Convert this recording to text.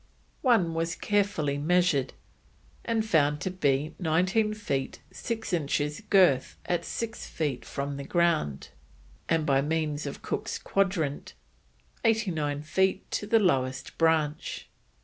One was carefully measured, and was found to be 19 feet 6 inches girth at 6 feet from the ground, and, by means of Cook's quadrant, 89 feet to the lowest branch.